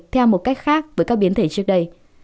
theo một cách khác với các biến thể omicron